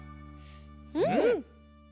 うん。